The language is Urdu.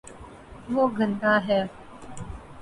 وہ گندا ہے